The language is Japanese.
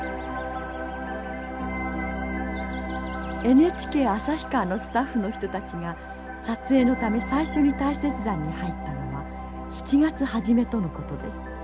ＮＨＫ旭川のスタッフの人たちが撮影のため最初に大雪山に入ったのは７月初めとのことです。